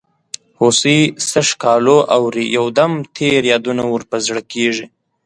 هوسۍ څه ښکالو اوري یو دم تېر یادونه ور په زړه کیږي.